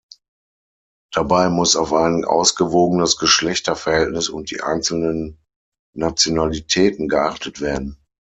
Dabei muss auf ein ausgewogenes Geschlechter-Verhältnis und die einzelnen Nationalitäten geachtet werden.